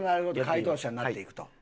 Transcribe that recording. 解答者になっていくと。